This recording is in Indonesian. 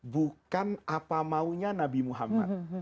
bukan apa maunya nabi muhammad